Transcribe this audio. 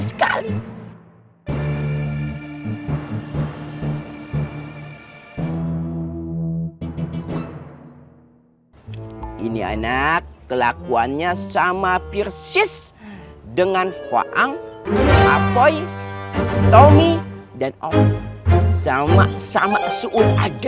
sekali ini anak kelakuannya sama persis dengan wang wang boy tommy dan om sama sama suu ada